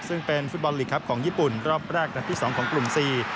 ซึ่งเป็นฟุตบอลลีกครับของญี่ปุ่นรอบแรกนัดที่๒ของกลุ่มซี